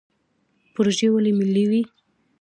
پروژې ولې ملي وي؟